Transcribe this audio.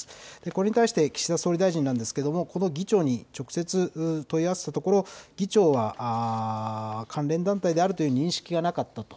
これに対して岸田総理大臣なんですがこの議長に直接問い合わせたところ議長は関連団体であるという認識がなかったと。